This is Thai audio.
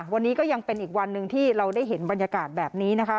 วันนี้ก็ยังเป็นอีกวันหนึ่งที่เราได้เห็นบรรยากาศแบบนี้นะคะ